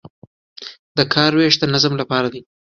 د کار ویش د نظم لپاره دی